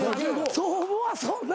そう思わそうな。